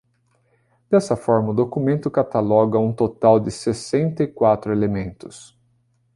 Dessa forma, o documento cataloga um total de sessenta e quatro elementos.